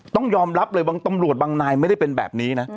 ต้องยอมรับเลยบางตำรวจบางนายไม่ได้เป็นแบบนี้นะ